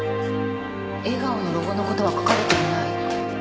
笑顔のロゴの事は書かれていない。